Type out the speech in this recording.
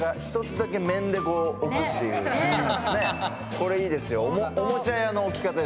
これいいですよ。